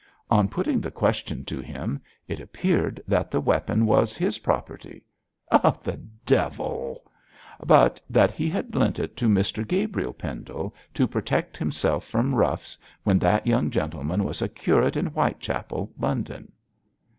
On putting the question to him, it appeared that the weapon was his property ' 'The devil!' 'But that he had lent it to Mr Gabriel Pendle to protect himself from roughs when that young gentleman was a curate in Whitechapel, London.'